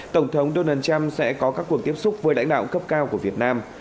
tổng thống donald trump sẽ có các cuộc tiếp xúc với lãnh đạo cấp cao của việt nam